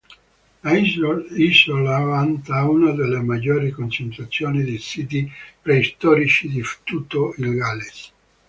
L'isola vanta una delle maggiori concentrazioni di siti preistorici di tutto il Galles.